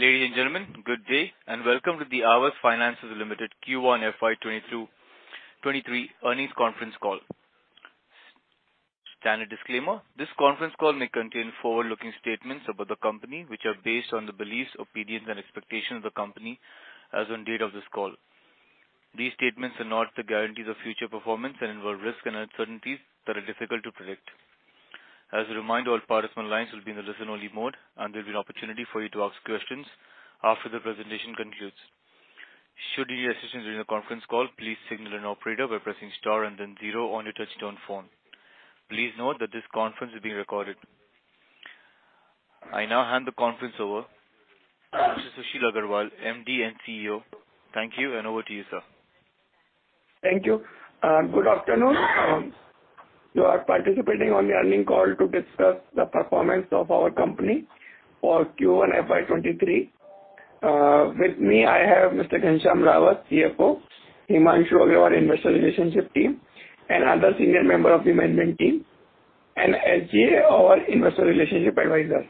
Ladies and gentlemen, good day and welcome to the Aavas Financiers Limited Q1 FY 2022/2023 Earnings Conference Call. Standard disclaimer. This conference call may contain forward-looking statements about the company, which are based on the beliefs, opinions, and expectations of the company as on date of this call. These statements are not the guarantees of future performance and involve risks and uncertainties that are difficult to predict. As a reminder, all participants' lines will be in the listen-only mode, and there'll be an opportunity for you to ask questions after the presentation concludes. Should you need assistance during the conference call, please signal an operator by pressing star and then zero on your touchtone phone. Please note that this conference is being recorded. I now hand the conference over to Sushil Agarwal, MD and CEO. Thank you, and over to you, sir. Thank you. Good afternoon. You are participating on the earnings call to discuss the performance of our company for Q1 FY 2023. With me, I have Mr. Ghanshyam Rawat, CFO, Himanshu Agrawal, Investor Relations team, and other senior member of the management team, and SGA, our investor relationship advisor.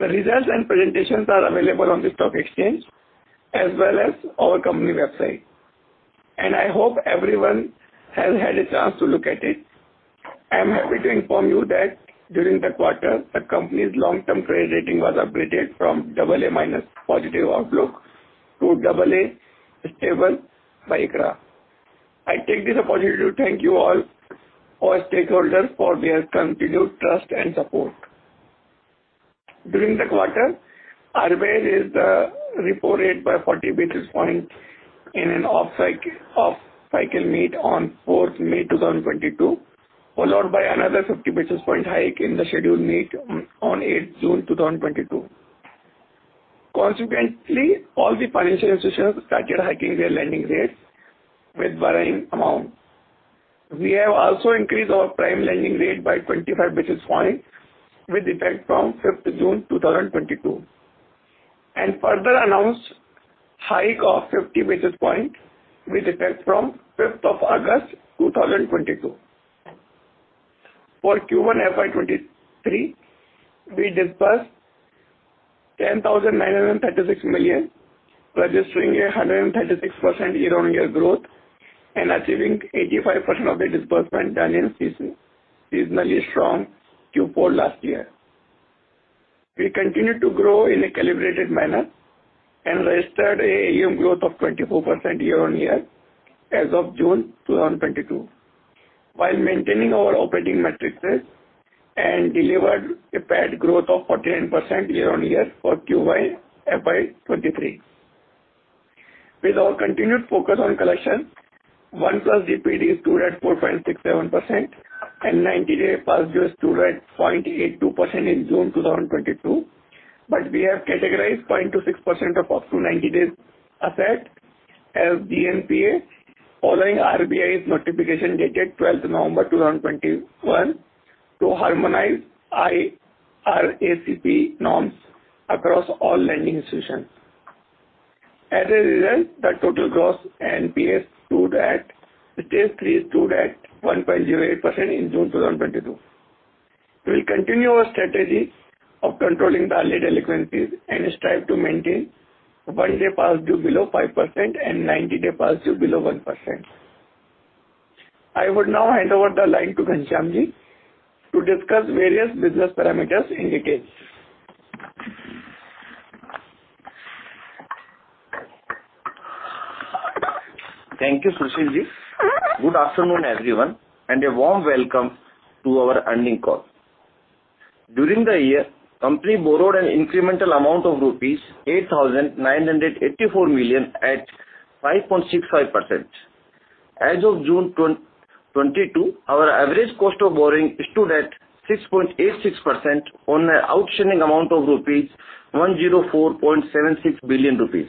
The results and presentations are available on the stock exchange as well as our company website, and I hope everyone has had a chance to look at it. I am happy to inform you that during the quarter, the company's long-term credit rating was upgraded from AA- positive outlook to AA stable by ICRA. I take this opportunity to thank you all, stakeholders for their continued trust and support. During the quarter, RBI raised the repo rate by 40 basis points in an off-cycle meet on 4th May 2022, followed by another 50 basis point hike in the scheduled meet on 8th June 2022. Consequently, all the financial institutions started hiking their lending rates with varying amount. We have also increased our prime lending rate by 25 basis points with effect from 5th June 2022, and further announced hike of 50 basis points with effect from 5th of August 2022. For Q1 FY 2023, we disbursed 10,936 million, registering a 136% year-on-year growth and achieving 85% of the disbursement done in the seasonally strong Q4 last year. We continued to grow in a calibrated manner and registered an AUM growth of 24% year-on-year as of June 2022, while maintaining our operating metrics and delivered a PAT growth of 14% year-on-year for Q1 FY 2023. With our continued focus on collection, 1+ DPD stood at 4.67% and 90-day past due stood at 0.82% in June 2022, but we have categorized 0.26% of 90-day past due asset as DNPA following RBI's notification dated 12 November 2021 to harmonize IRAC norms across all lending institutions. As a result, the total gross NPAs stood at 1.08% in June 2022. We will continue our strategy of controlling the early delinquencies and strive to maintain one day past due below 5% and 90-day past due below 1%. I would now hand over the line to Ghanshyam to discuss various business parameters in detail. Thank you, Sushil Agarwal. Good afternoon, everyone, and a warm welcome to our earnings call. During the year, company borrowed an incremental amount of rupees 8,984 million at 5.65%. As of June 22, our average cost of borrowing stood at 6.86% on an outstanding amount of 104.76 billion rupees.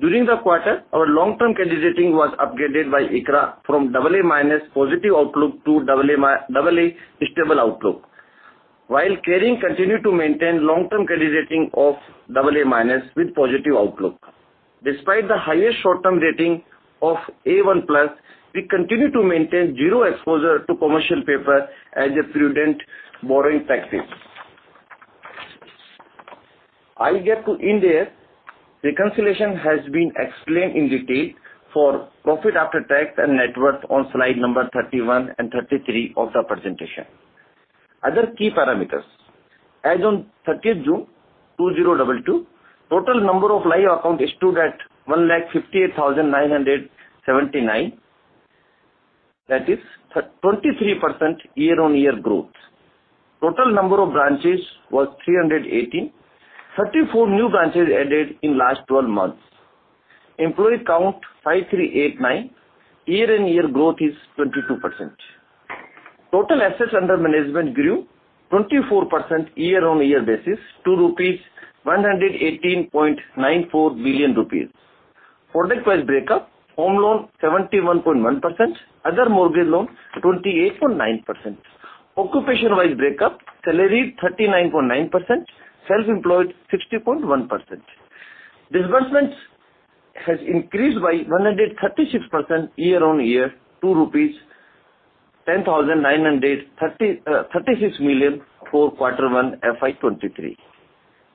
During the quarter, our long-term credit rating was upgraded by ICRA from AA- positive outlook to AA stable outlook. CARE continued to maintain long-term credit rating of AA- with positive outlook. Despite the highest short-term rating of A1+, we continue to maintain zero exposure to commercial paper as a prudent borrowing practice. Ind AS reconciliation has been explained in detail for profit after tax and net worth on slide number 31 and 33 of the presentation. Other key parameters. As on 30th June 2022, total number of live accounts stood at 158,979. That is 23% year-on-year growth. Total number of branches was 318. 34 new branches added in last twelve months. Employee count 5,389. Year-on-year growth is 22%. Total assets under management grew 24% year-on-year basis to 118.94 billion rupees. Product-wise breakup, home loan 71.1%, other mortgage loan 28.9%. Occupation-wise breakup, salaried 39.9%, self-employed 60.1%. Disbursements has increased by 136% year-on-year to INR 10,936 million for Q1 FY 2023.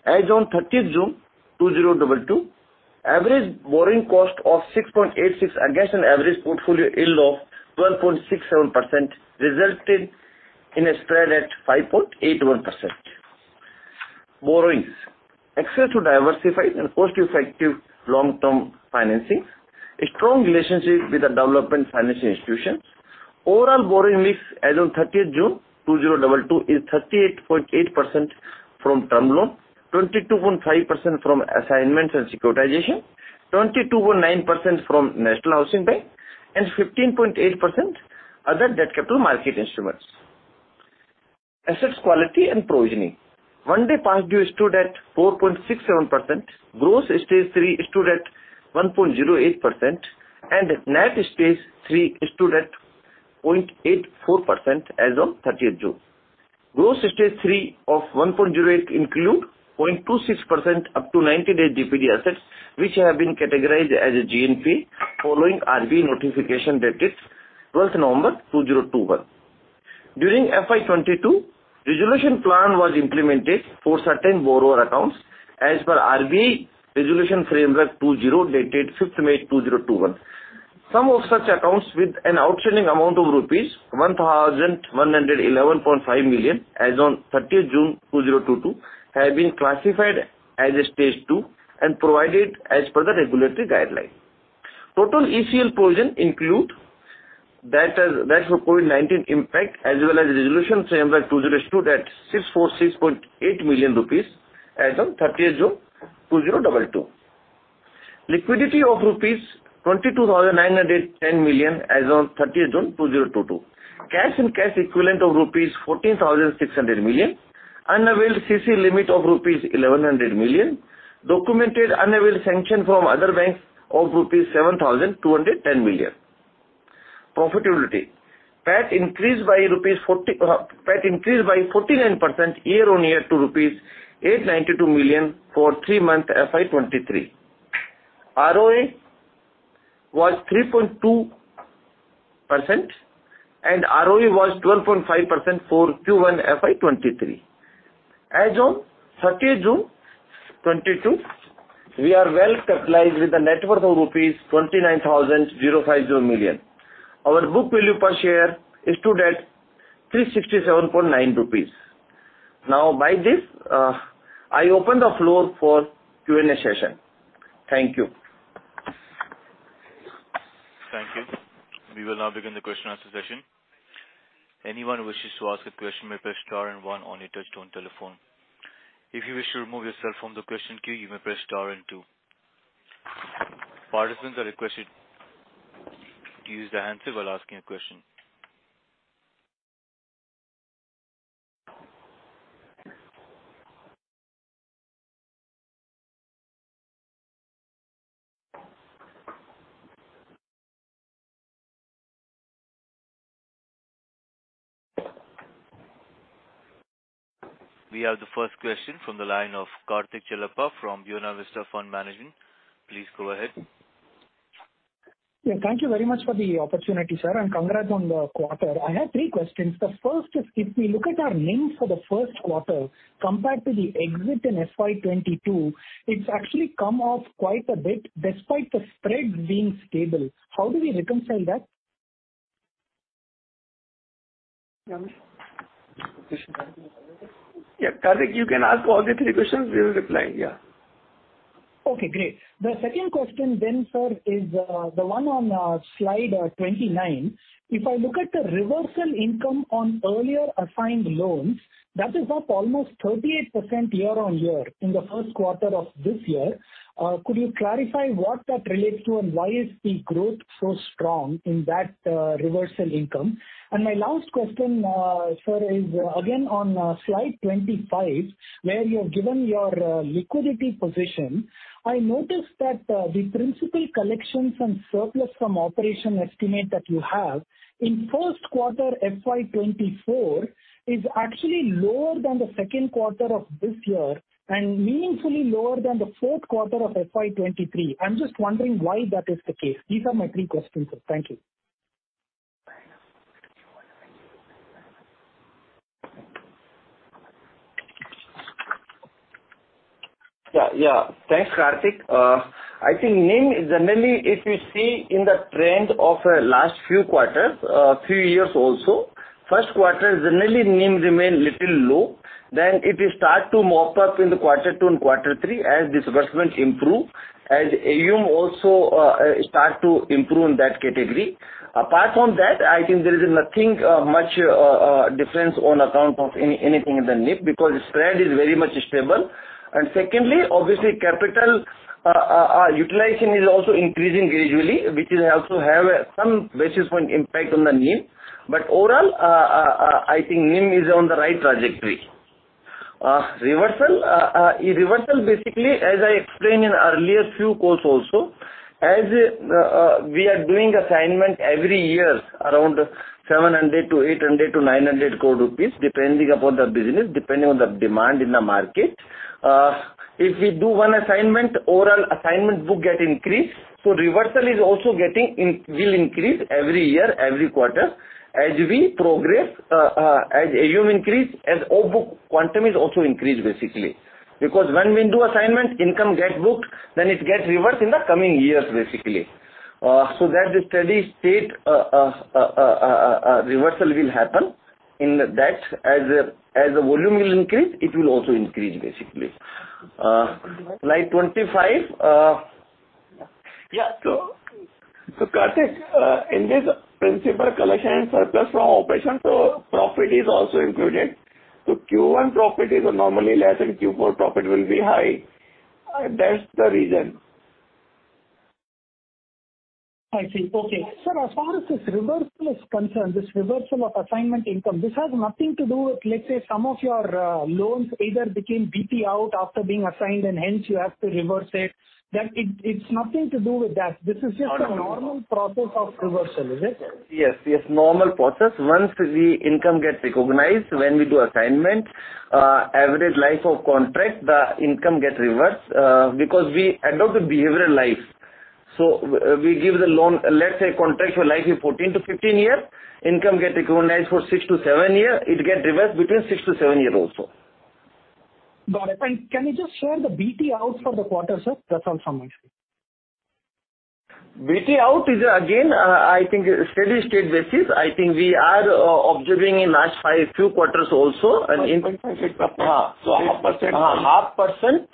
As on 30 June 2022, average borrowing cost of 6.86% against an average portfolio yield of 12.67% resulted in a spread at 5.81%. Borrowings. Access to diversified and cost-effective long-term financing. A strong relationship with the development financial institutions. Overall borrowing mix as on 30 June 2022 is 38.8% from term loan, 22.5% from assignments and securitization, 22.9% from National Housing Bank, and 15.8% other debt capital market instruments. Assets quality and provisioning. One-day past due stood at 4.67%. Gross Stage three stood at 1.08%, and net Stage three stood at 0.84% as on 30th June. Gross Stage three of 1.08% include 0.26% up to 90-day DPD assets, which have been categorized as a GNPA following RBI notification dated 12th November 2021. During FY 2022, resolution plan was implemented for certain borrower accounts as per RBI Resolution Framework 2.0 dated 5th May 2021. Some of such accounts with an outstanding amount of rupees 1,111.5 million as on 30th June 2022 have been classified as a Stage two and provided as per the regulatory guideline. Total ECL provision includes that for COVID-19 impact as well as Resolution Framework 2.0 stood at INR 646.8 million as on 30th June 2022. Liquidity of rupees 22,910 million as on 30th June 2022. Cash and cash equivalents of rupees 14,600 million. Unavailed CC limit of rupees 1,100 million. Documented unavailed sanction from other banks of rupees 7,210 million. Profitability. PAT increased by 49% year-on-year to rupees 892 million for three-month FY 2023. ROE was 3.2%, and ROE was 12.5% for Q1 FY 2023. As on 30th June 2022, we are well capitalized with a net worth of rupees 29,050 million. Our book value per share stood at 367.9 rupees. Now by this, I open the floor for Q&A session. Thank you. Thank you. We will now begin the question and answer session. Anyone who wishes to ask a question may press star and one on your touchtone telephone. If you wish to remove yourself from the question queue, you may press star and two. Participants are requested to use the handset while asking a question. We have the first question from the line of Karthik Chellappa from Buena Vista Fund Management. Please go ahead. Yeah. Thank you very much for the opportunity, sir, and congrats on the quarter. I have three questions. The first is if we look at our NIMs for the first quarter compared to the exit in FY 2022, it's actually come off quite a bit despite the spread being stable. How do we reconcile that? Yeah. Karthik, you can ask all the three questions. We will reply. Yeah. Okay, great. The second question then, sir, is the one on slide 29. If I look at the reversal income on earlier assigned loans, that is up almost 38% year-on-year in the first quarter of this year. Could you clarify what that relates to and why is the growth so strong in that reversal income? My last question, sir, is again on slide 25, where you have given your liquidity position. I noticed that the principal collections and surplus from operation estimate that you have in first quarter FY 2024 is actually lower than the second quarter of this year and meaningfully lower than the fourth quarter of FY 2023. I'm just wondering why that is the case. These are my three questions, sir. Thank you. Yeah. Yeah. Thanks, Karthik. I think NIM is generally, if you see in the trend of last few quarters, few years also, first quarter generally NIM remain little low. Then it will start to mop up in the quarter two and quarter three as disbursements improve, as AUM also start to improve in that category. Apart from that, I think there is nothing much difference on account of anything in the NIM because the spread is very much stable. Secondly, obviously, capital utilization is also increasing gradually, which will also have a some basis point impact on the NIM. Overall, I think NIM is on the right trajectory. Reversal. Reversal, basically, as I explained in earlier few calls also, as we are doing assignment every year around 700 crore to 800 crore to 900 crore rupees, depending upon the business, depending on the demand in the market. If we do one assignment, overall assignment book get increased. Reversal is also getting it will increase every year, every quarter as we progress, as AUM increase, as O book quantum is also increased basically. Because when we do assignment, income get booked, then it gets reversed in the coming years basically. That the steady state reversal will happen in that as the volume will increase, it will also increase basically. Slide 25. Karthik, in this principal collection surplus from operation, profit is also included. Q1 profit is normally less and Q4 profit will be high. That's the reason. I see. Okay. Sir, as far as this reversal is concerned, this reversal of assignment income, this has nothing to do with, let's say some of your loans either became BT out after being assigned and hence you have to reverse it. That, it's nothing to do with that. This is just a normal process of reversal, is it? Yes. Normal process. Once the income gets recognized when we do assignment, average life of contract, the income gets reversed, because we adopt the behavioral life. We give the loan, let's say contractual life is 14-15 years, income get recognized for 6-7 years. It gets reversed between 6-7 years also. Got it. Can you just share the BT outs for the quarter, sir? That's all from my side. Payout is again, I think, steady-state basis. I think we are observing in last few quarters also and in- One point five eight percent. Uh. 0.5%.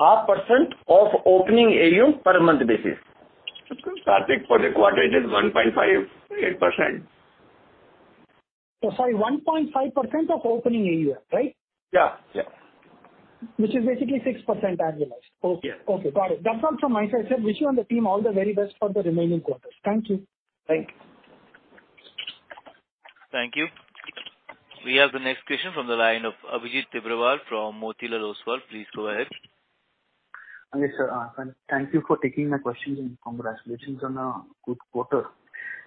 0.5% of opening AUM per month basis. That's good. Karthik, for the quarter it is 1.58%. Sorry, 1.5% of opening AUM, right? Yeah. Yeah. Which is basically 6% annualized. Yes. Okay. Got it. That's all from my side, sir. Wish you and the team all the very best for the remaining quarters. Thank you. Bye. Thank you. We have the next question from the line of Abhijit Tibrewal from Motilal Oswal. Please go ahead. Yes, sir. Thank you for taking my questions and congratulations on a good quarter.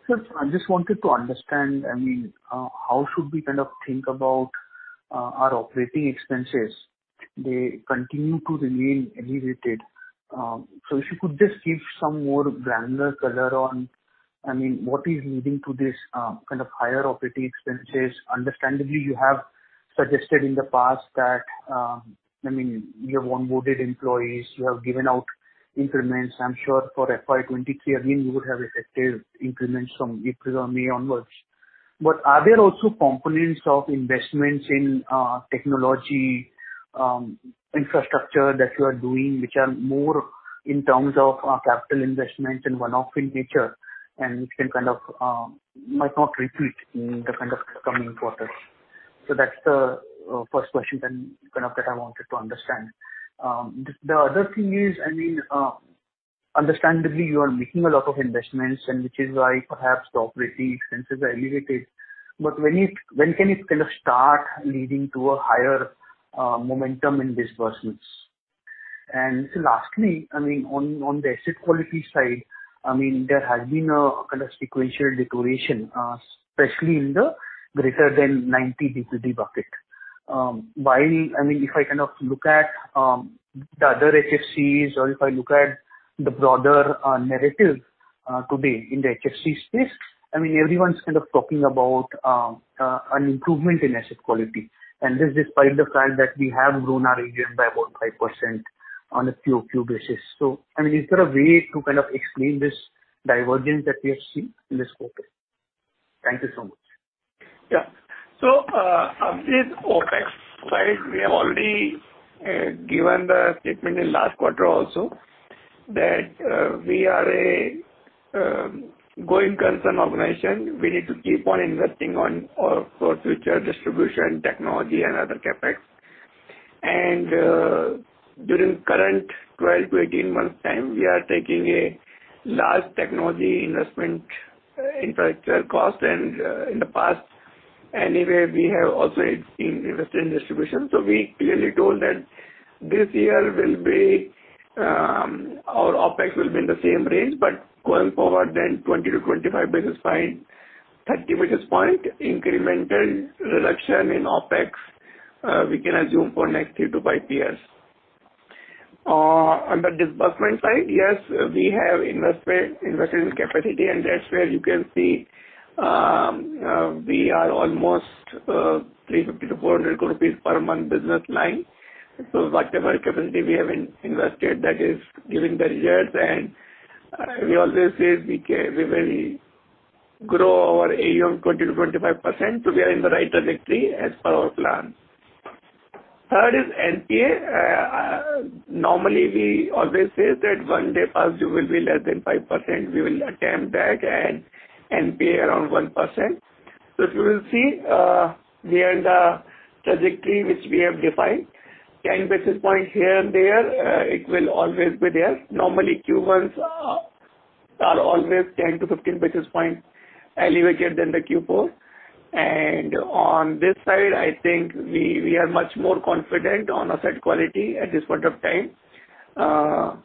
Sir, I just wanted to understand, I mean, how should we kind of think about our operating expenses? They continue to remain elevated. So if you could just give some more granular color on, I mean, what is leading to this kind of higher operating expenses. Understandably, you have suggested in the past that, I mean, you have on-boarded employees, you have given out increments. I'm sure for FY 2023, again, you would have effective increments from April or May onwards. Are there also components of investments in technology, infrastructure that you are doing which are more in terms of capital investments and one-off in nature and which can kind of might not repeat in the kind of coming quarters? That's the first question then kind of that I wanted to understand. The other thing is, I mean, understandably you are making a lot of investments and which is why perhaps the operating expenses are elevated. When can it kind of start leading to a higher momentum in disbursements? Lastly, I mean, on the asset quality side, I mean, there has been a kind of sequential deterioration, especially in the greater than 90 DPD bucket. While, I mean, if I kind of look at the other HFCs or if I look at the broader narrative today in the HFC space, I mean, everyone's kind of talking about an improvement in asset quality, and this despite the fact that we have grown our AUM by about 5% on a QOQ basis. I mean, is there a way to kind of explain this divergence that we have seen in this quarter? Thank you so much. On this OpEx side, we have already given the statement in last quarter also that we are a growing concern organization. We need to keep on investing on our for future distribution technology and other CapEx. During current 12-18 months time, we are taking a large technology investment infrastructure cost. In the past anyway, we have also, it's been invested in distribution. We clearly told that this year will be our OpEx will be in the same range, but going forward then 20-25 basis points, 30 basis points incremental reduction in OpEx we can assume for next three to five years. On the disbursement side, yes, we have invested in capacity, and that's where you can see we are almost 350-400 rupees per month business line. Whatever capacity we have invested, that is giving the results. We always say we can, we will grow our AUM 20%-25%. We are in the right trajectory as per our plan. Third is NPA. Normally we always say that one day possibly will be less than 5%. We will attempt that and NPA around 1%. You will see we are in the trajectory which we have defined. 10 basis points here and there, it will always be there. Normally Q1s are always 10-15 basis points elevated than the Q4. On this side I think we are much more confident on asset quality at this point of time.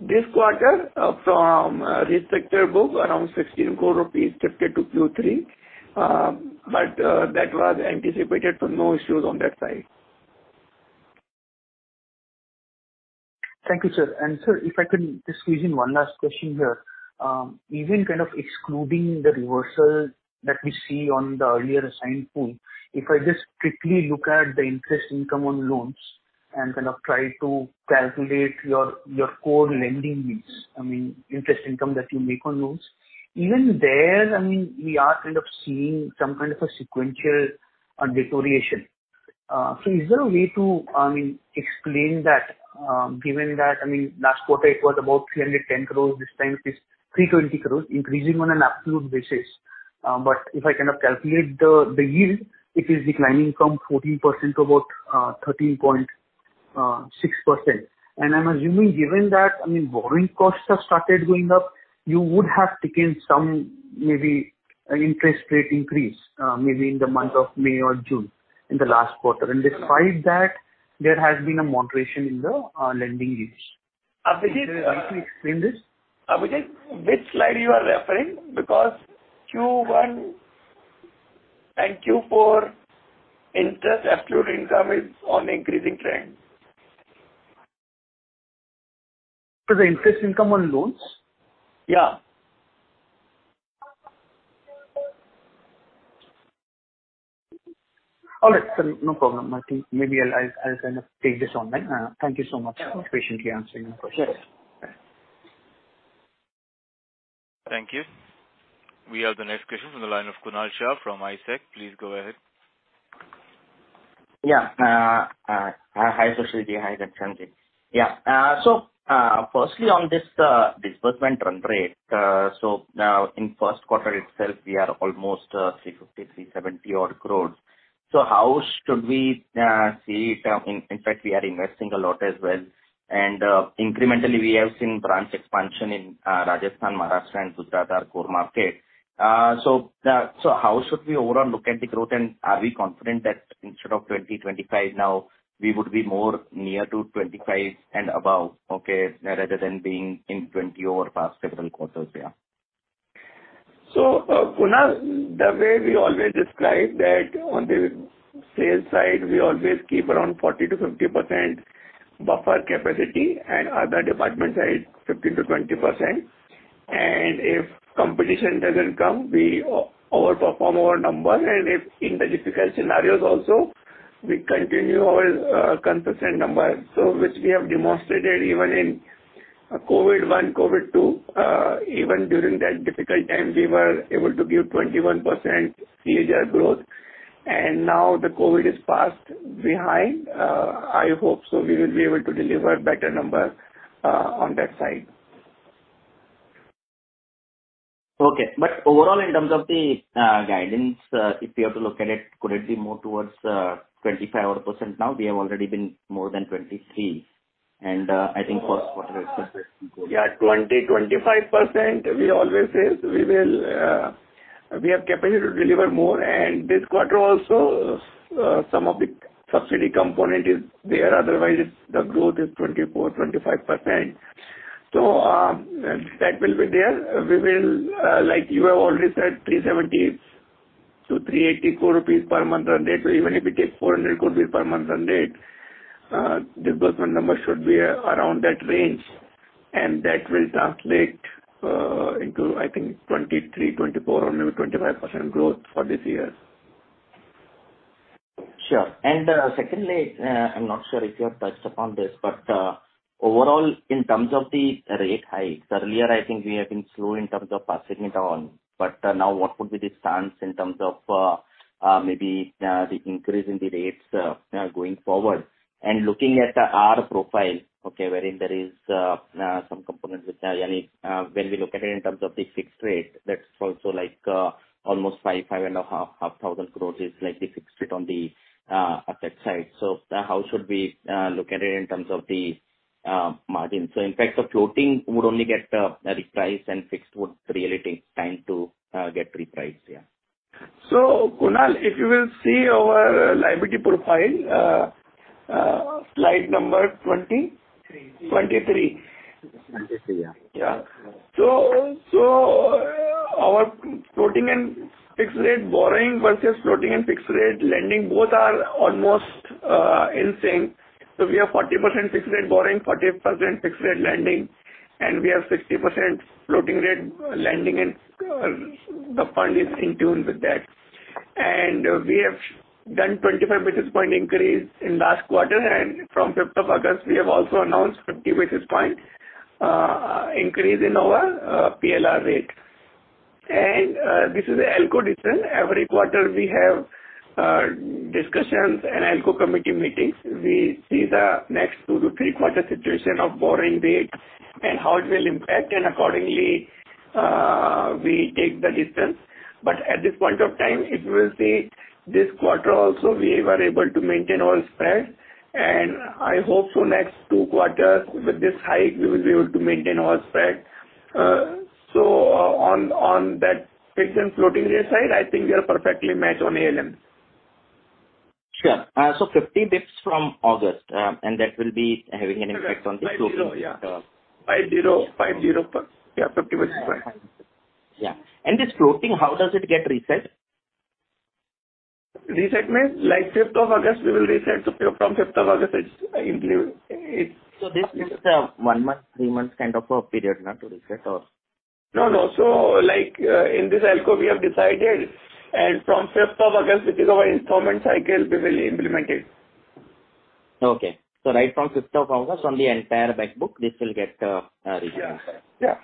This quarter from risk sector book around 16 crore rupees shifted to Q3. That was anticipated so no issues on that side. Thank you, sir. Sir, if I could just squeeze in one last question here. Even kind of excluding the reversal that we see on the earlier assigned pool, if I just strictly look at the interest income on loans and kind of try to calculate your core lending mix, I mean, interest income that you make on loans. Even there, I mean, we are kind of seeing some kind of a sequential deterioration. Is there a way to explain that, given that last quarter it was about 310 crore, this time it is 320 crore increasing on an absolute basis. If I kind of calculate the yield, it is declining from 14% to about 13.6%. I'm assuming given that, I mean, borrowing costs have started going up, you would have taken some maybe interest rate increase, maybe in the month of May or June in the last quarter. Despite that, there has been a moderation in the lending rates. Abhijit- Is there a way to explain this? Abhijit, which slide are you referring? Because Q1 and Q4 interest, absolute income is on increasing trend. To the interest income on loans? Yeah. All right, sir. No problem. I think maybe I'll kind of take this online. Thank you so much for patiently answering my questions. Yes. Thank you. We have the next question from the line of Kunal Shah from ICICI. Please go ahead. Hi, Sushilji. Hi, Gangaramji. Firstly on this disbursement run rate, in first quarter itself we are almost 350-370 crore. How should we see it? In fact we are investing a lot as well. Incrementally we have seen branch expansion in Rajasthan, Maharashtra and Gujarat, our core market. How should we overall look at the growth and are we confident that instead of 20%-25% now we would be more near to 25% and above, okay, rather than being in 20% over past several quarters there? Kunal, the way we always describe that on the sales side, we always keep around 40%-50% buffer capacity and other department side, 15%-20%. If competition doesn't come, we over perform our number. If in the difficult scenarios also we continue our consistent number, which we have demonstrated even in COVID one, COVID two. Even during that difficult time, we were able to give 21% CAGR growth. Now the COVID is past behind, I hope we will be able to deliver better number on that side. Okay. Overall in terms of the guidance, if you have to look at it, could it be more towards 25% odd now? We have already been more than 23% and I think first quarter itself was pretty good. Yeah, 25% we always say we will, we have capacity to deliver more. This quarter also, some of the subsidy component is there, otherwise it's the growth is 24%-25%. That will be there. We will, like you have already said, 370-380 crore rupees per month run rate. Even if you take 400 crore rupees per month run rate, disbursement numbers should be around that range. That will translate into I think 23%, 24% or maybe 25% growth for this year. Sure. Secondly, I'm not sure if you have touched upon this, but overall in terms of the rate hikes, earlier I think we have been slow in terms of passing it on, but now what would be the stance in terms of maybe the increase in the rates going forward? Looking at the repricing profile, okay, wherein there is some components which, I mean, when we look at it in terms of the fixed rate, that's also like almost 5,500 crore is like the fixed rate on the asset side. How should we look at it in terms of the margin? In fact the floating would only get repriced and fixed would really take time to get repriced. Yeah. Kunal Shah, if you will see our liability profile, slide number 20- Twenty-three. 23. Yeah. Yeah. Our floating and fixed rate borrowing versus floating and fixed rate lending both are almost in sync. We have 40% fixed rate borrowing, 40% fixed rate lending, and we have 60% floating rate lending and the fund is in tune with that. We have done 25 basis point increase in last quarter. From fifth of August we have also announced 50 basis point increase in our PLR rate. This is ALCO decision. Every quarter we have discussions and ALCO committee meetings. We see the next two to three quarters situation of borrowing rates and how it will impact and accordingly we take the decision. At this point of time it will stay. This quarter also we were able to maintain our spread and I hope so next two quarters with this hike we will be able to maintain our spread. On that fixed and floating rate side, I think we are perfectly matched on ALM. Sure. 50 basis points from August, and that will be having an effect on the floating 50. Yeah, 50 basis points. Yeah. This floating, how does it get reset? Reset means like fifth of August we will reset from 5th of August. It's implemented. This is a one month, three months kind of a period now to reset or? No, no. In this ALCO we have decided, and from 5th of August, which is our installment cycle, we will implement it. Okay. Right from fifth of August on the entire back book, this will get reset. Yeah. Yeah.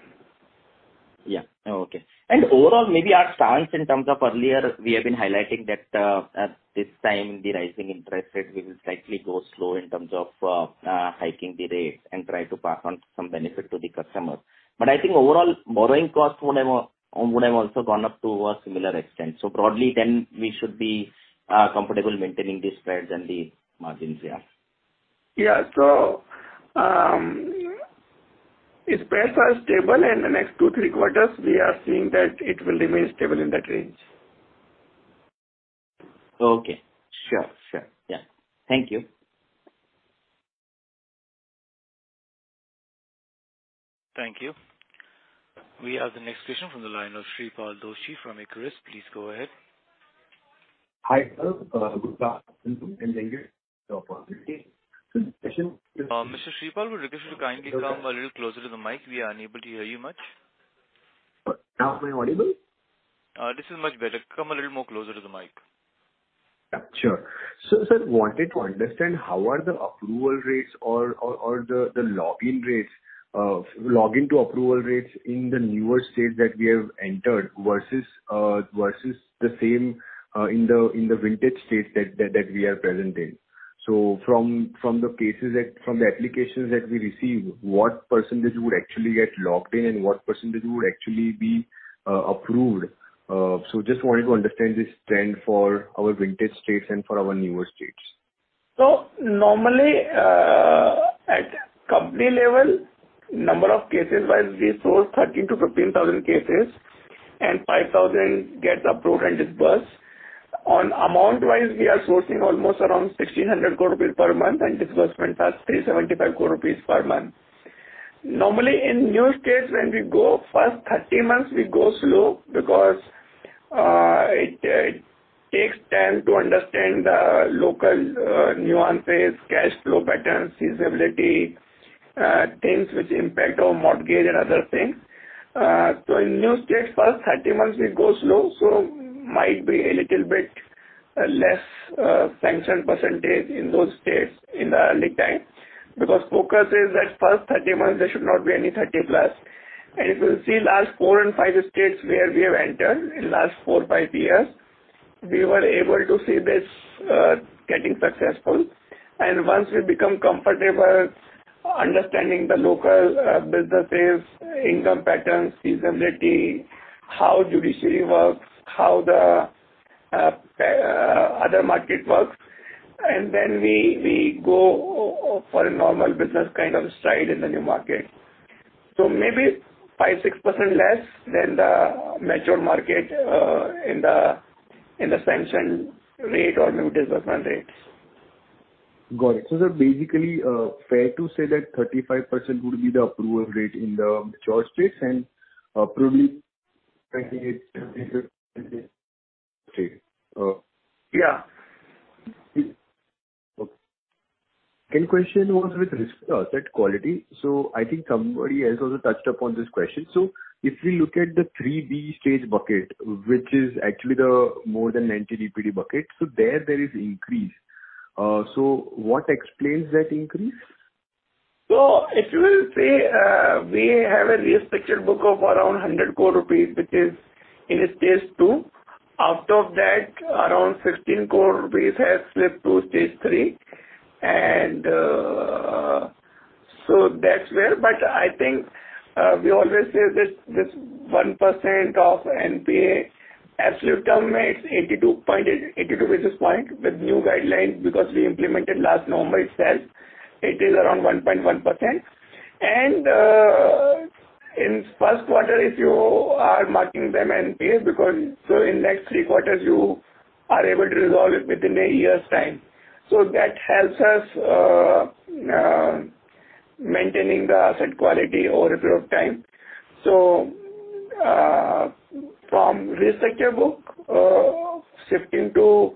Yeah. Okay. Overall, maybe our stance in terms of earlier we have been highlighting that at this time the rising interest rate will slightly go slow in terms of hiking the rates and try to pass on some benefit to the customers. I think overall borrowing costs would have also gone up to a similar extent. Broadly then we should be comfortable maintaining these spreads and the margins. Yeah. Yeah. Spreads are stable and the next two to three quarters we are seeing that it will remain stable in that range. Okay. Sure. Yeah. Thank you. Thank you. We have the next question from the line of Shreepal Doshi from Equirus. Please go ahead. Hi, sir. Good afternoon. Mr. Shreepal, we request you to kindly come a little closer to the mic. We are unable to hear you much. Now am I audible? This is much better. Come a little more closer to the mic. Yeah, sure. Sir, wanted to understand how are the approval rates or the login rates, login to approval rates in the newer states that we have entered versus the same in the vintage states that we are present in. From the applications that we receive, what percentage would actually get logged in and what percentage would actually be approved? Just wanted to understand this trend for our vintage states and for our newer states. Normally, at company level, number of cases wise we source 13,000-15,000 cases and 5,000 get approved and disbursed. On amount wise we are sourcing almost around 1,600 crore rupees per month, and disbursement are 375 crore rupees per month. Normally, in newer states when we go first 30 months we go slow because it takes time to understand the local nuances, cash flow patterns, feasibility things which impact on mortgage and other things. In new states first 30 months we go slow, might be a little bit less sanctioned percentage in those states in the early time because focus is that first 30 months there should not be any 30+. If you see last four and five states where we have entered in last four, five years, we were able to see this getting successful. Once we become comfortable understanding the local businesses, income patterns, feasibility, how judiciary works, how the other market works, and then we go for a normal business kind of stride in the new market. Maybe 5%-6% less than the mature market in the sanction rate or new disbursement rates. Got it. They're basically fair to say that 35% would be the approval rate in the mature states and probably okay. Yeah. Okay. Question was with respect to asset quality. I think somebody else also touched upon this question. If we look at the Stage three bucket, which is actually the more than 90 DPD bucket, there is increase. What explains that increase? If you will say, we have a restructured book of around 100 crore rupees, which is in a Stage two. Out of that, around 16 crore rupees has slipped to Stage three. That's where. But I think, we always say that this 1% of NPA absolute term, it's 82 basis point. With new guidelines, because we implemented last November itself, it is around 1.1%. In first quarter if you are marking them NPA because so in next three quarters you are able to resolve it within a year's time. That helps us maintaining the asset quality over a period of time. From restructure book, shifting to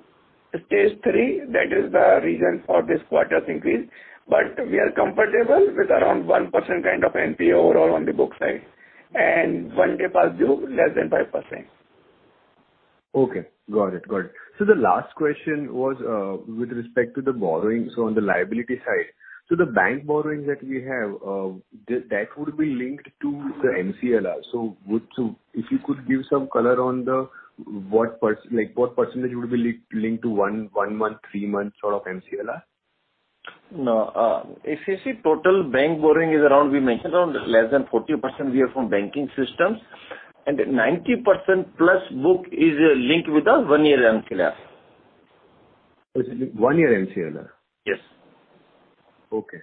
Stage three, that is the reason for this quarter's increase. We are comfortable with around 1% kind of NPA overall on the book side, and one day past due, less than 5%. Okay. Got it. The last question was with respect to the borrowing, on the liability side. The bank borrowing that we have, that would be linked to the MCLR. Would you if you could give some color on what percent, like what percentage would be linked to one-month, three-month sort of MCLR? If you see total bank borrowing is around, we mentioned around less than 40% we have from banking systems and 90% plus book is linked with a one-year MCLR. One year MCLR? Yes. Okay.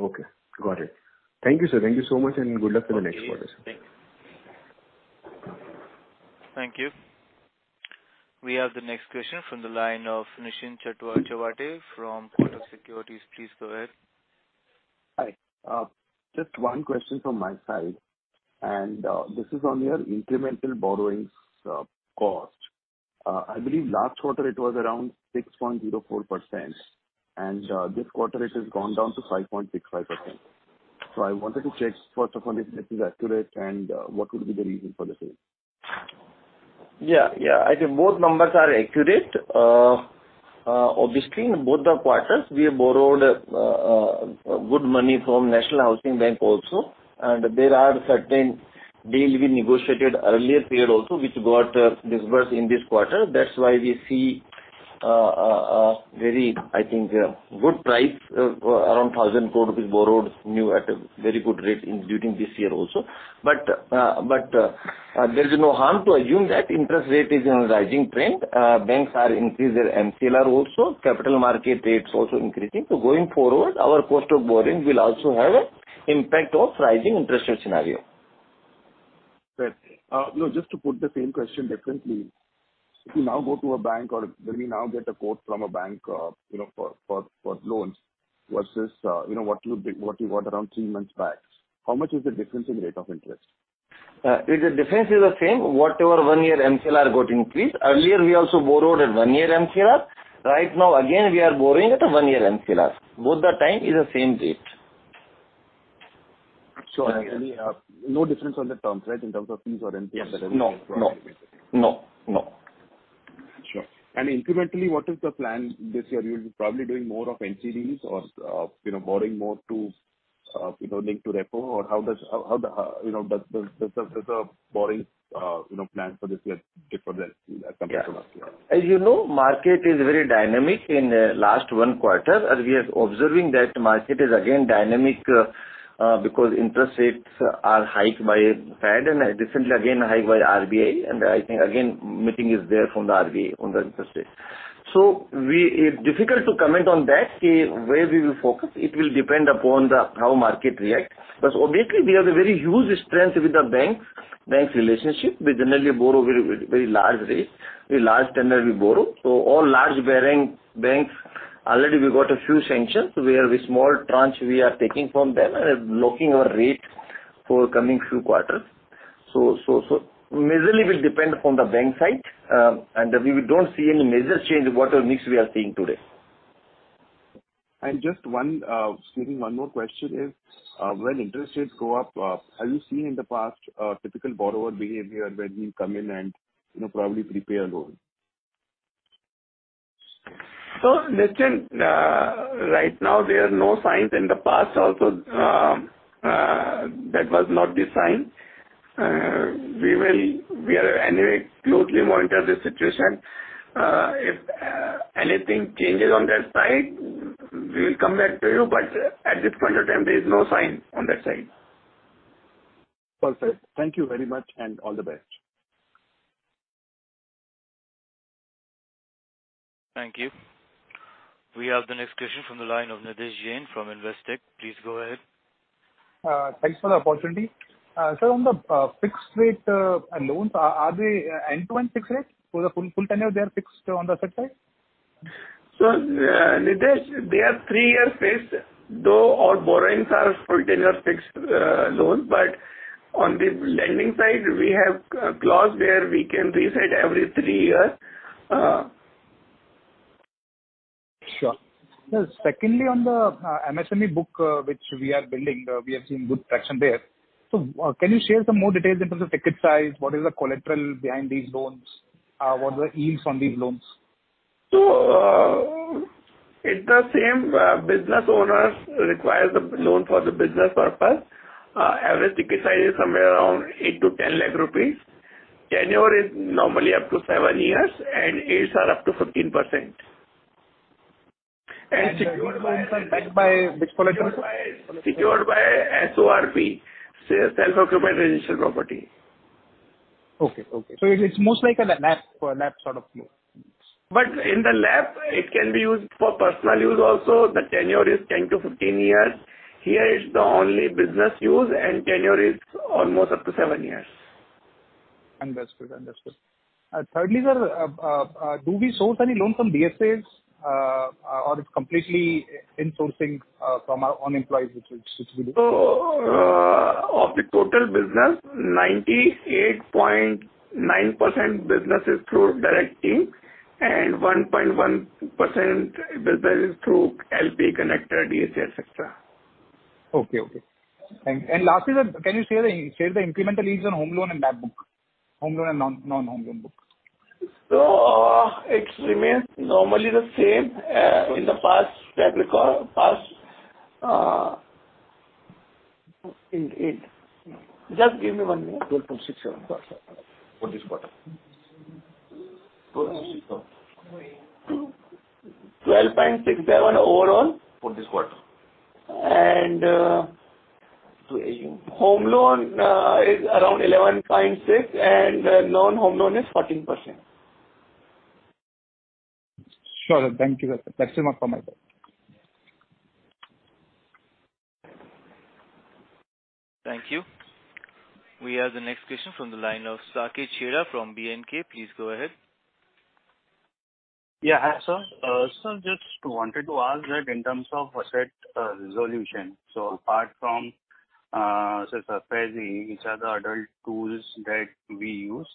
Okay. Got it. Thank you, sir. Thank you so much, and good luck for the next quarter. Thank you. We have the next question from the line of Nishant Chaturvedi from Kotak Securities. Please go ahead. Hi. Just one question from my side, and this is on your incremental borrowings cost. I believe last quarter it was around 6.04%, and this quarter it has gone down to 5.65%. I wanted to check first of all if this is accurate, and what would be the reason for the same. I think both numbers are accurate. Obviously, in both the quarters we have borrowed good money from National Housing Bank also, and there are certain deals we negotiated earlier period also which got disbursed in this quarter. That's why we see a very, I think, good price around 1,000 crore rupees borrowed new at a very good rate during this year also. There is no harm to assume that interest rate is in a rising trend. Banks have increased their MCLR also, capital market rates also increasing. Going forward, our cost of borrowing will also have an impact of rising interest rate scenario. Right. No, just to put the same question differently, if you now go to a bank or when we now get a quote from a bank, you know, for loans versus, you know, what you got around three months back, how much is the difference in rate of interest? The difference is the same. Whatever one year MCLR got increased. Earlier, we also borrowed at one year MCLR. Right now, again, we are borrowing at a one year MCLR. Both the time is the same date. Actually, no difference on the terms, right? In terms of fees or MCLR- No. No. No. No. Sure. Incrementally, what is the plan this year? You'll be probably doing more of NCDs or, you know, borrowing more to, you know, link to repo or how does the borrowing plan for this year differ than compared to last year? As you know, the market is very dynamic in the last one quarter, and we are observing that the market is again dynamic because interest rates are hiked by the Fed and recently again hiked by the RBI. I think there is again a meeting from the RBI on the interest rates. It is difficult to comment on that, where we will focus. It will depend upon how the market reacts. Obviously we have a very huge strength with the banks relationship. We generally borrow very low rates, very large tenders we borrow. All large banks already we got a few sanctions. We, with small tranches, are taking from them and locking our rate for the coming few quarters. Majorly it will depend upon the banks side. We don't see any major change to our mix we are seeing today. Just one more question. When interest rates go up, have you seen in the past typical borrower behavior when we come in and, you know, probably prepay a loan? Nishant, right now there are no signs. In the past also, that was not the sign. We are anyway closely monitor the situation. If anything changes on that side, we will come back to you. At this point of time, there is no sign on that side. Perfect. Thank you very much, and all the best. Thank you. We have the next question from the line of Nidhesh Jain from Investec. Please go ahead. Thanks for the opportunity. Sir, on the fixed rate loans, are they end-to-end fixed rate? For the full tenure they are fixed on the asset side? Nidhesh, they are three years fixed. Though our borrowings are full tenure fixed loans, but on the lending side, we have a clause where we can reset every three years. Sure. Sir, secondly, on the MSME book, which we are building, we are seeing good traction there. Can you share some more details in terms of ticket size? What is the collateral behind these loans? What are the yields on these loans? It's the same. Business owners require the loan for the business purpose. Average ticket size is somewhere around 8-10 lakh rupees. Tenure is normally up to seven years, and yields are up to 15%. Secured by, backed by which collateral, sir? Secured by SORP, self-occupied residential property. Okay. It's most like a LAP sort of loan. In the LAP it can be used for personal use also. The tenure is 10-15 years. Here it's the only business use and tenure is almost up to seven years. Understood. Thirdly, sir, do we source any loans from DSAs, or it's completely in-sourcing from our own employees which we do? Of the total business, 98.9% business is through direct team and 1.1% business is through LP connector, DSAs, et cetera. Okay. Thank you. Lastly, sir, can you share the incremental yields on home loan and LAP book? Home loan and non-home loan book. It remains normally the same in the past that we call past Ind AS. Just give me one minute. 12.67%. For this quarter. 12.67%. 12.67% overall. For this quarter. Home loan is around 11.6%, and non-home loan is 14%. Sure, thank you, sir. That's it from my side. Thank you. We have the next question from the line of Saket Sheth from B&K. Please go ahead. Yeah, hi sir. Just wanted to ask that in terms of asset resolution. Apart from SARFAESI, which are the other tools that we use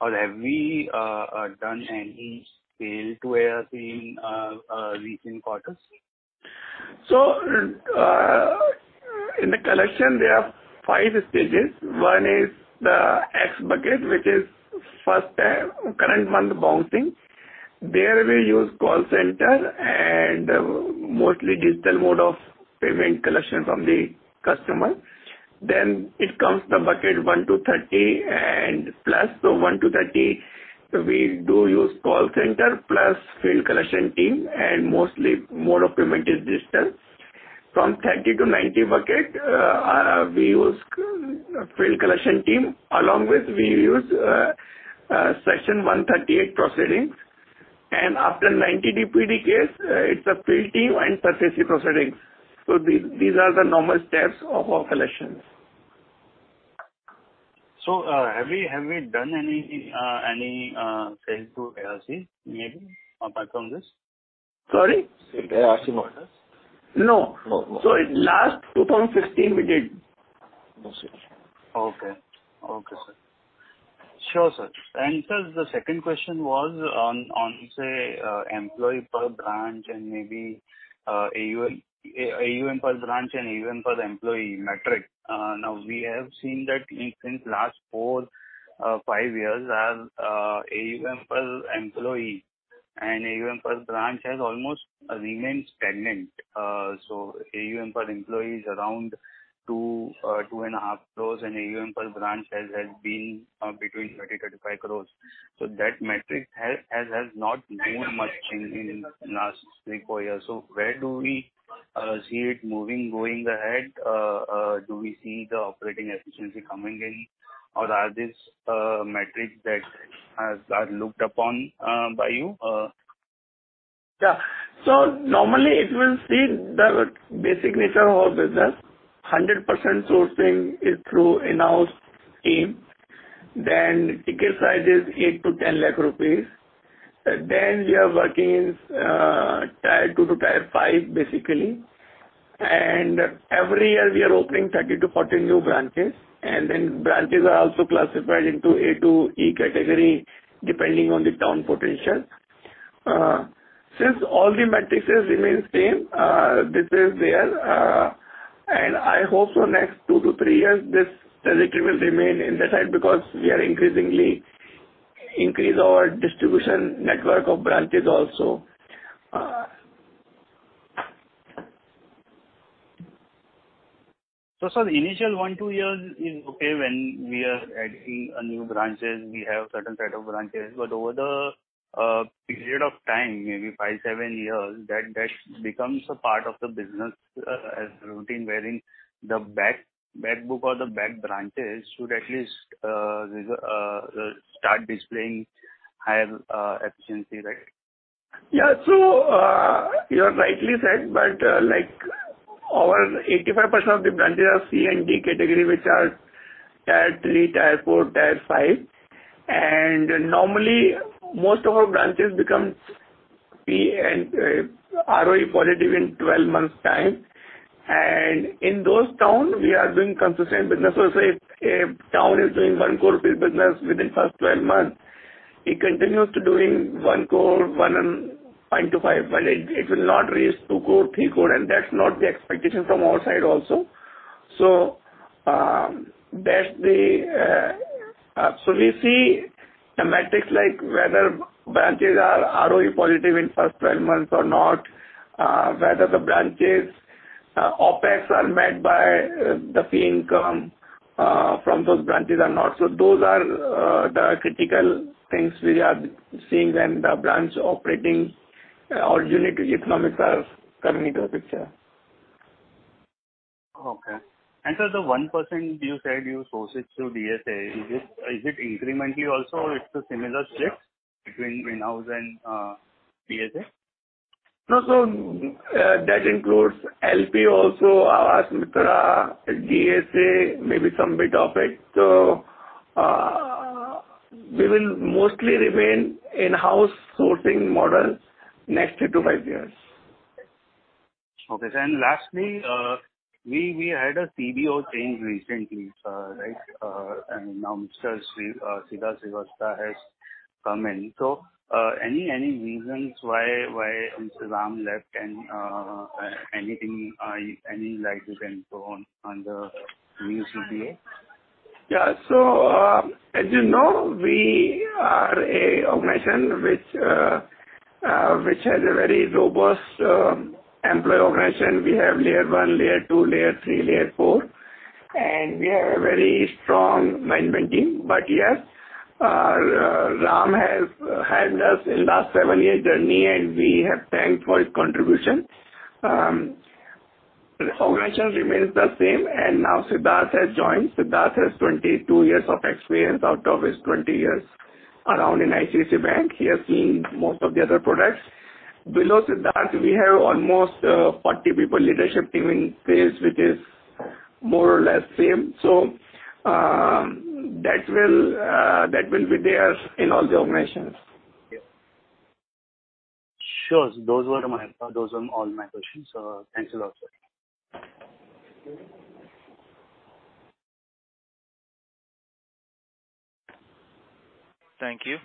or have we done any sale to ARC in recent quarters? In the collection, there are five stages. One is the X bucket, which is first current month bouncing. There we use call center and mostly digital mode of payment collection from the customer. It comes the bucket one to 30+ and one to 30, we do use call center plus field collection team, and mostly mode of payment is digital. From 30 to 90 bucket, we use field collection team along with we use section 138 proceedings. After 90 DPD case, it's a field team and section 13(3C) proceedings. These are the normal steps of our collections. Have we done any sales to ARC maybe apart from this? Sorry. ARC models. No. No. In last 2015 we did. Sir, the second question was on, say, employee per branch and maybe AUM per branch and AUM per employee metric. Now, we have seen that in the last four or five years, AUM per employee and AUM per branch has almost remained stagnant. AUM per employee is around 2.5 crore and AUM per branch has been between 30 crore-35 crore. That metric has not shown much change in last three or four years. Where do we see it moving going ahead? Do we see the operating efficiency coming in or are these metrics that are looked upon by you? Normally it will see the basic nature of our business. 100% sourcing is through in-house team. Ticket size is 8-10 lakh rupees. We are working in tier two to five, basically. Every year we are opening 30-40 new branches, and then branches are also classified into A-E category, depending on the town potential. Since all the metrics remain same, and I hope for next two to three years, this trajectory will remain in that side because we are increasingly increase our distribution network of branches also. Sir, the initial one to two years is okay when we are adding new branches, we have certain set of branches. But over the period of time, maybe five to seven years, that becomes a part of the business as routine wherein the back book or the back branches should at least start displaying higher efficiency, right? You have rightly said, but like our 85% of the branches are C and D category, which are tier three, tier four, tier five. Normally, most of our branches become P&L and ROA positive in 12 months time. In those town we are doing consistent business. Say if a town is doing 1 crore rupees business within first 12 months, it continues to doing 1 crore, 1.25, but it will not reach 2 crore, 3 crore and that's not the expectation from our side also. We see the metrics like whether branches are ROA positive in first 12 months or not, whether the branches OpEx are met by the fee income from those branches or not. Those are the critical things we are seeing when the branch operating or unit economics are coming into the picture. Okay. The one percent you said you source it through DSA. Is it incrementally also or it's a similar split between in-house and DSA? No, that includes LP also, Aavas Mitra, DSA, maybe some bit of it. We will mostly remain in-house sourcing model next two to five years. Okay. Lastly, we had a CBO change recently, right? Now Mr. Siddharth Srivastava has come in. Any reasons why Mr. Ram left and any light you can throw on the new CBO? Yeah. As you know, we are an organization which has a very robust employee organization. We have layer one, layer two, layer three, layer four, and we have a very strong management team. Ram has helped us in last seven-year journey, and we have thanked for his contribution. Organization remains the same. Now Siddharth has joined. Siddharth has 22 years of experience out of his 20 years around in ICICI Bank. He has seen most of the other products. Below Siddharth we have almost 40 people leadership team in place which is more or less same. That will be there in all the organizations. Sure. Those were all my questions. Thanks a lot, sir. Thank you.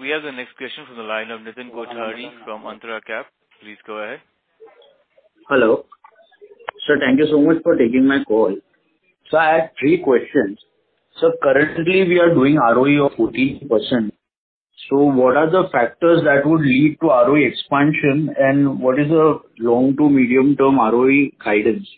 We have the next question from the line of Nitin Kochhar from Antara Capital. Please go ahead. Hello. Sir, thank you so much for taking my call. I have three questions. Currently we are doing ROA of 40%. What are the factors that would lead to ROA expansion and what is the long- to medium-term ROA guidance?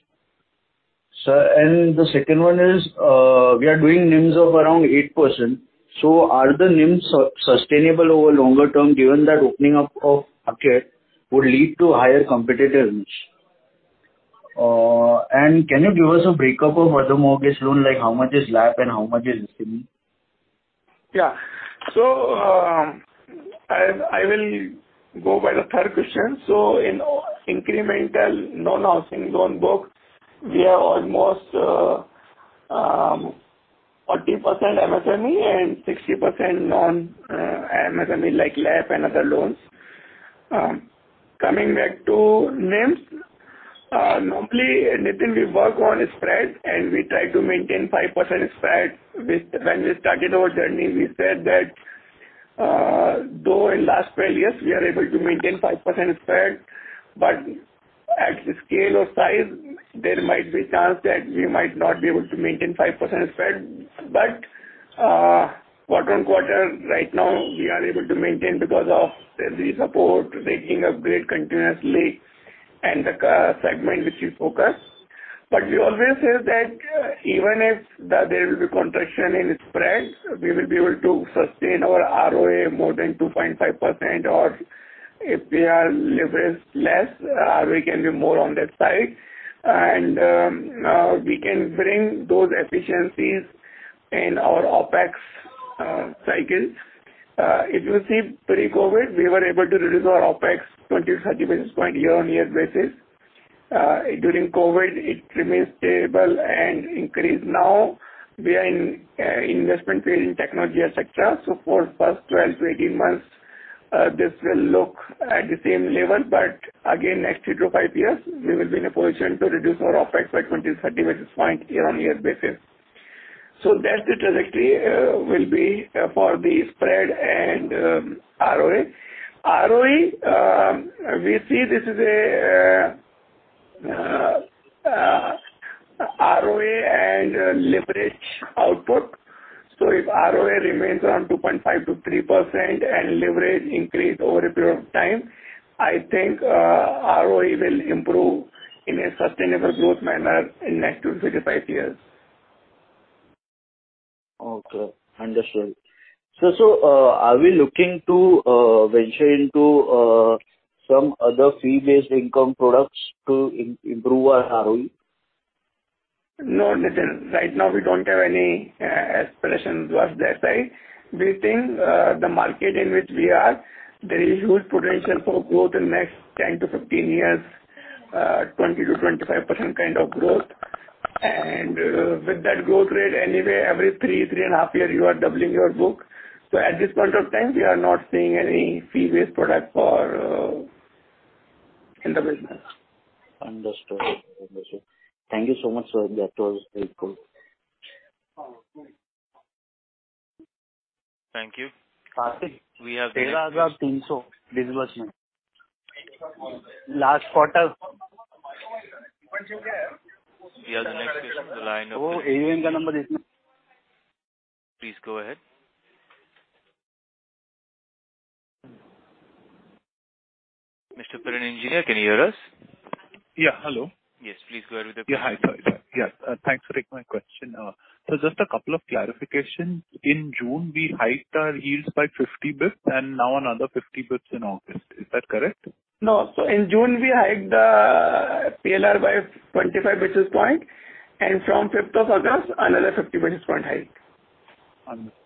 Sir, and the second one is, we are doing NIMs of around 8%. Are the NIMs sustainable over longer term, given that opening up of Aavas would lead to higher competitiveness? And can you give us a breakup of other mortgage loan, like how much is LAP and how much is scheme? I will go by the third question. In incremental non-housing loan book, we have almost 40% MSME and 60% non-MSME like LAP and other loans. Coming back to NIMs, normally anything we work on is spread, and we try to maintain 5% spread. When we started our journey, we said that, though in last twelve years we are able to maintain 5% spread, at the scale or size, there might be chance that we might not be able to maintain 5% spread. Quarter-on-quarter, right now, we are able to maintain because of the support, rating upgrade continuously and the segment which we focus. We always say that even if there will be contraction in spread, we will be able to sustain our ROA more than 2.5%, or if we are leveraged less, we can be more on that side. We can bring those efficiencies in our OpEx cycle. If you see pre-COVID, we were able to reduce our OpEx 20-30 basis points year-on-year. During COVID, it remained stable and increased. Now we are in investment phase in technology, etc. For first 12-18 months, this will look at the same level, but again, next three to five years, we will be in a position to reduce our OpEx by 20-30 basis points year-on-year. That's the trajectory for the spread and ROA. ROA, we see this is a ROA and leverage output. If ROA remains around 2.5%-3% and leverage increase over a period of time, I think, ROA will improve in a sustainable growth manner in next three to five years. Okay. Understood. Are we looking to venture into some other fee-based income products to improve our ROA? No, Nitin. Right now we don't have any aspirations towards that side. We think the market in which we are, there is huge potential for growth in next 10 to 15 years, 20%-25% kind of growth. With that growth rate, anyway, every three and a half years, you are doubling your book. At this point of time, we are not seeing any fee-based product for in the business. Understood. Thank you so much, sir. That was helpful. Thank you. We have the next question. Please go ahead. Mr. Piranlata Jeejeebhoy, can you hear us? Yeah. Hello. Yes. Please go ahead with your question. Yeah. Hi. Sorry. Yes. Thanks for taking my question. Just a couple of clarification. In June, we hiked our yields by 50 basis points and now another 50 basis points in August. Is that correct? No. In June we hiked the PLR by 25 basis point, and from 5th of August, another 50 basis point hike. Understood.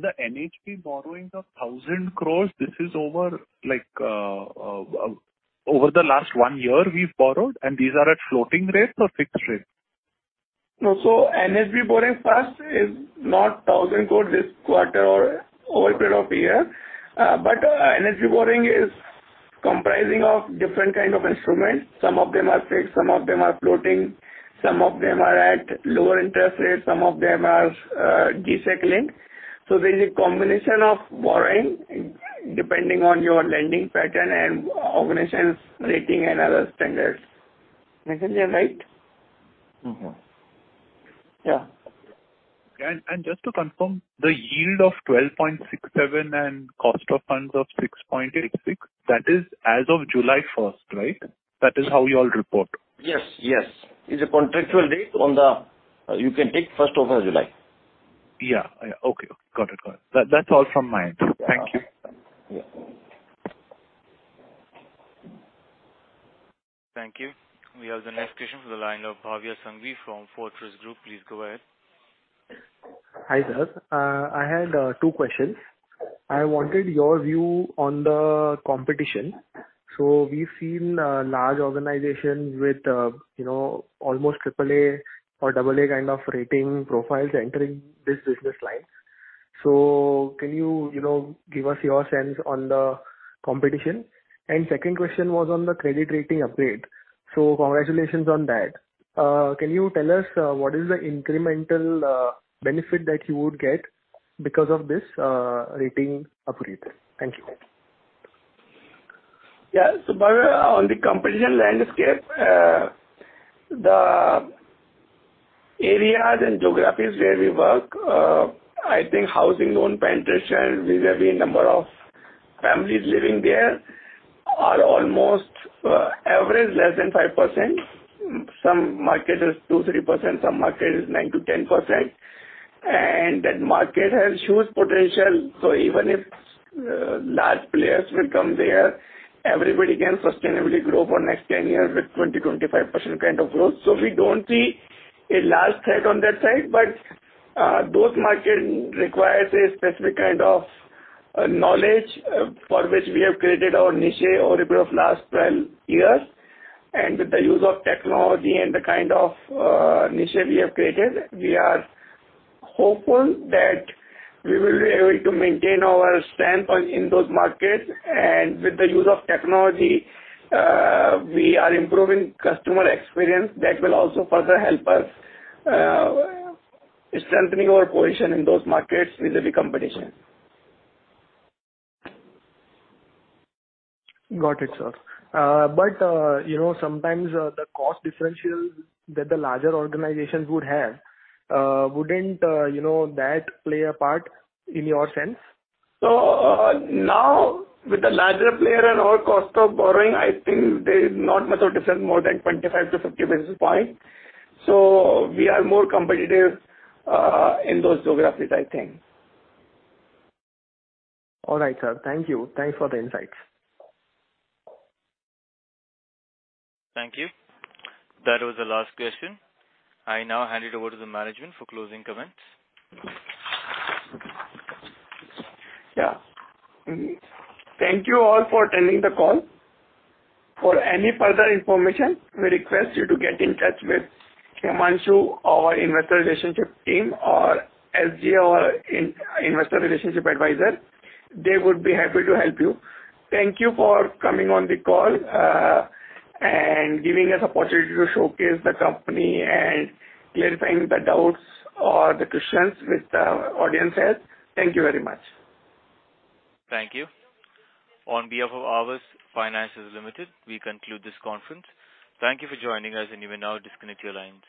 The NHB borrowings of 1,000 crore, this is over like, over the last one year we've borrowed and these are at floating rates or fixed rates? No. NHB borrowing first is not 1,000 crore this quarter or over a period of a year. NHB borrowing is comprising of different kind of instruments. Some of them are fixed, some of them are floating, some of them are at lower interest rates, some of them are de-linked. There's a combination of borrowing depending on your lending pattern and organization's rating and other standards. Nitin, am I right? Mm-hmm. Yeah. Just to confirm, the yield of 12.67% and cost of funds of 6.66%, that is as of July 1st, right? That is how you all report. Yes. Yes. It's a contractual date on the, you can take 1st of July. Yeah. Okay. Got it. That's all from my end. Thank you. Yeah. Thank you. We have the next question from the line of Bhavya Sanghavi from Fortress Group. Please go ahead. Hi, sir. I had two questions. I wanted your view on the competition. We've seen large organizations with you know almost triple A or double A kind of rating profiles entering this business line. Can you you know give us your sense on the competition? Second question was on the credit rating upgrade. Congratulations on that. Can you tell us what is the incremental benefit that you would get because of this rating upgrade? Thank you. Bhavya, on the competition landscape, the areas and geographies where we work, I think housing loan penetration vis-a-vis number of families living there are almost average less than 5%. Some market is 2%-3%, some market is 9%-10%. That market has huge potential. Even if large players will come there, everybody can sustainably grow for next 10 years with 20%-25% kind of growth. We don't see a large threat on that side. Those market requires a specific kind of knowledge for which we have created our niche over a period of last 12 years. With the use of technology and the kind of niche we have created, we are hopeful that we will be able to maintain our stamp on in those markets. With the use of technology, we are improving customer experience. That will also further help us, strengthening our position in those markets vis-a-vis competition. Got it, sir. You know, sometimes the cost differential that the larger organizations would have. Wouldn't that play a part in your sense? Now with the larger player and our cost of borrowing, I think there is not much of difference, more than 25-50 basis point. We are more competitive, in those geographies, I think. All right, sir. Thank you. Thanks for the insights. Thank you. That was the last question. I now hand it over to the management for closing comments. Yeah. Thank you all for attending the call. For any further information, we request you to get in touch with Himanshu, our Investor Relations team, or SGA, our investor relations advisor. They would be happy to help you. Thank you for coming on the call, and giving us opportunity to showcase the company and clarifying the doubts or the questions with our audiences. Thank you very much. Thank you. On behalf of Aavas Financiers Limited, we conclude this conference. Thank you for joining us, and you may now disconnect your lines.